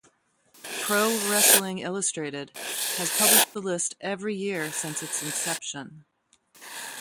"Pro Wrestling Illustrated" has published the list every year since its inception.